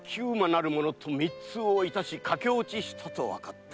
なる者と密通をいたし駆け落ちしたとわかった。